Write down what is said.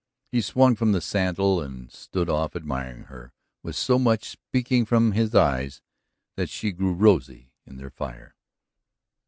He swung from the saddle and stood off admiring her with so much speaking from his eyes that she grew rosy in their fire.